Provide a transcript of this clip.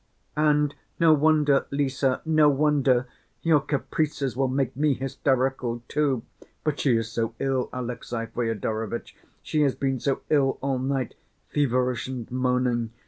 "And no wonder, Lise, no wonder ... your caprices will make me hysterical too. But she is so ill, Alexey Fyodorovitch, she has been so ill all night, feverish and moaning!